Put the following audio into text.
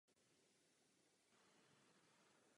Každý vývoz zbraní znamená zlo.